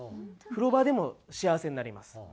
風呂場でも幸せになります。